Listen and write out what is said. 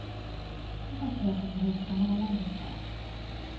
なんで警察に捕まらないんですか？